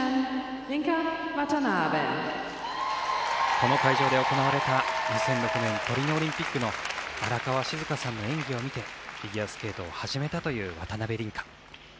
この会場で行われた２００６年トリノオリンピックの荒川静香さんの演技を見てフィギュアスケートを始めたという渡辺倫果。